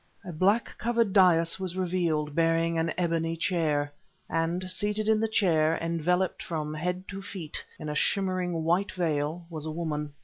A black covered dais was revealed, bearing an ebony chair. And seated in the chair, enveloped from head to feet in a shimmering white veil, was a woman.